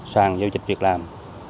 sang doanh dịch việc làm